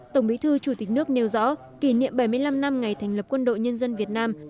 tổng bí thư chủ tịch nước nêu rõ kỷ niệm bảy mươi năm năm ngày thành lập quân đội nhân dân việt nam